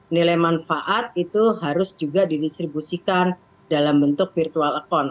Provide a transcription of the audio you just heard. nilai manfaat itu harus juga didistribusikan dalam bentuk virtual account